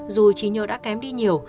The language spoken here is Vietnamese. dù chỉ nhớ đã kém đi nhiều